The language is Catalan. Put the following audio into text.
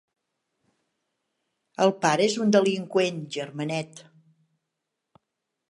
El pare és un delinqüent, germanet.